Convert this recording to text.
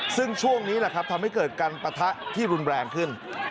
ซึ่งช่วงนี้แหละครับทำให้เกิดการปะทะที่รุนแรงขึ้น